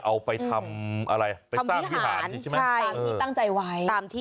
เอาล่ะ